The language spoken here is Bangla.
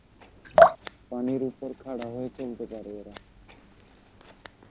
পানির ওপর খাড়া হয়ে চলতে পারে এরা।